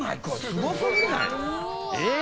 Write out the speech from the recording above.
すごすぎない？